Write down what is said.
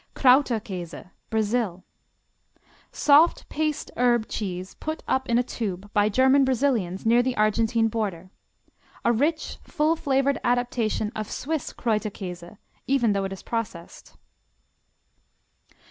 Krauterkäse Brazil Soft paste herb cheese put up in a tube by German Brazilians near the Argentine border. A rich, full flavored adaptation of Swiss Krauterkäse even though it is processed.